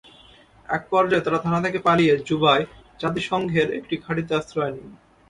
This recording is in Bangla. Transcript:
একপর্যায়ে তাঁরা থানা থেকে পালিয়ে জুবায় জাতিসংঘের একটি ঘাঁটিতে আশ্রয় নেন।